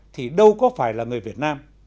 thì đâu có phải là người việt nam